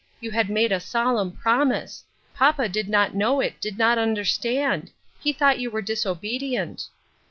You had made a solemn promise. Papa did not know it ; did not understand ; he thought you were disobedient."